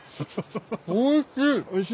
おいしい！